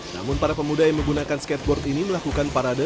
namun para pemuda yang menggunakan skateboard ini melakukan parade